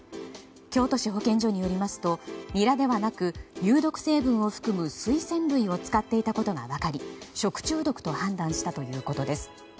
京都市保健所によりますとニラではなく有毒成分を含むスイセン類を使っていたことが分かり食中毒と判断したということです。